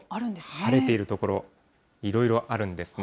晴れている所、いろいろあるんですね。